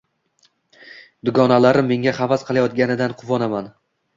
Dugonalarim menga havas qilayotganidan quvonaman